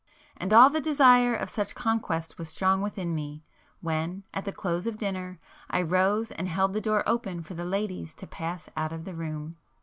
And all the desire of such conquest was strong within me, when at the close of dinner I rose and held the door open for the ladies to pass out of the room.